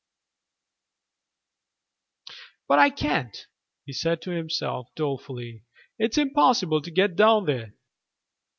"But I can't," he said to himself dolefully. "It's impossible to get down there."